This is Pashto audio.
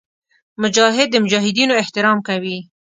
مجاهد د مجاهدینو احترام کوي.